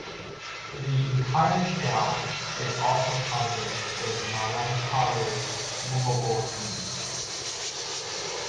The entire shell is also covered with maroon-colored moveable spines.